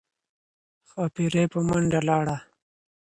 ښاپیرۍ په منډه لاړه